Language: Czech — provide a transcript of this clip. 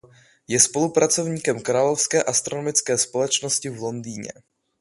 Je spolupracovníkem Královské astronomické společnosti v Londýně.